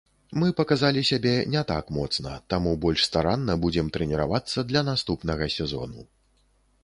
Мы паказалі сябе не так моцна, таму больш старанна будзем трэніравацца для наступнага сезону.